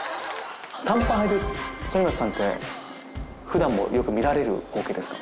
短パンはいてる反町さんって普段もよく見られる光景ですか？